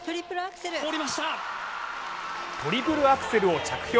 トリプルアクセルを着氷。